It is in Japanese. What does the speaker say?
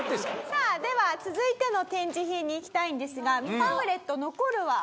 さあでは続いての展示品にいきたいんですがパンフレット残るは。